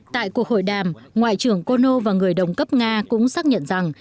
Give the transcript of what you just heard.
tại cuộc hội đàm ngoại trưởng kono và người đồng cấp nga cũng xác nhận rằng